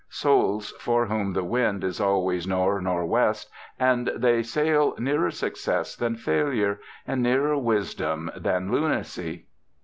Souls for whom the wind is always nor' nor' west, and they sail nearer success than failure, and nearer wisdom than lunacy.